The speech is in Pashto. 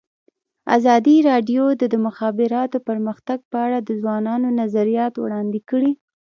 ازادي راډیو د د مخابراتو پرمختګ په اړه د ځوانانو نظریات وړاندې کړي.